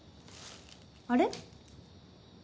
あれ？